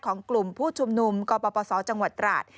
ของกลุ่มผู้ชุมนุมกปศจังหวัดตราด